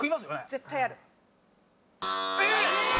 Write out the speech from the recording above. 絶対ある。